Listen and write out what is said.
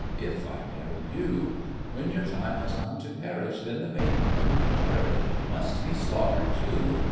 If I marry you, When your time has come to perish, Then the maiden whom you cherish Must be slaughtered, too!